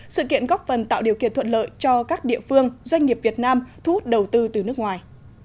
sự kiện góp phần tạo điều kiện thuận lợi cho các địa phương doanh nghiệp việt nam thu hút đầu tư từ nước ngoài